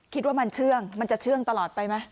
คิดว่ามันเชื่องมันจะเชื่องตลอดไปไหม